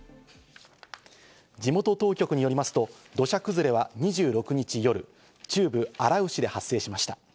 地元当局によりますと土砂崩れは２６日夜、中部アラウシで発生しました。